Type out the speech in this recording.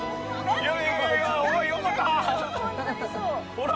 ほら！